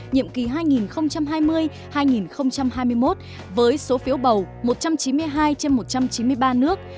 nhiệm kỳ hai nghìn hai mươi hai nghìn hai mươi một với số phiếu bầu một trăm chín mươi hai trên một trăm chín mươi ba nước